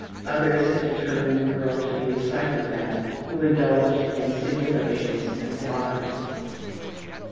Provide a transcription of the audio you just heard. Others had determined the girl to be a psychopath who indulged in simulations and lies.